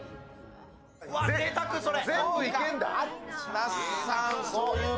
ぜいたく、それ！